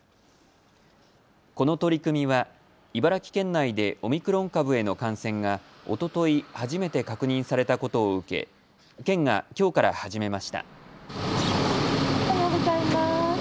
この取り組みは茨城県内でオミクロン株への感染が、おととい初めて確認されたことを受け県がきょうから始めました。